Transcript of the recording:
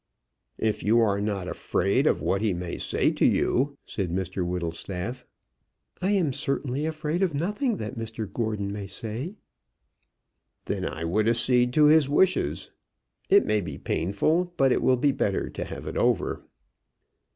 "If you are not afraid of what he may say to you ?" said Mr Whittlestaff. "I am certainly afraid of nothing that Mr Gordon may say." "Then I would accede to his wishes. It may be painful, but it will be better to have it over."